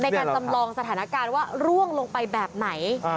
ในการสำรองสถานาการว่าร่วงลงไปแบบไหน